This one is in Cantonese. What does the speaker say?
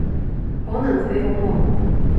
可能佢好忙